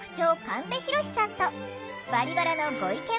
神戸浩さんと「バリバラ」のご意見